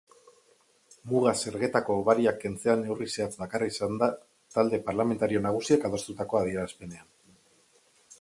Muga-zergetako hobariak kentzea neurri zehatz bakarra izan da talde parlamentario nagusiek adostutako adierazpenean.